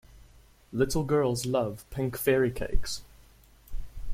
Little girls love pink fairy cakes.